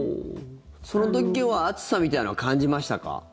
その時は暑さみたいなのは感じましたか？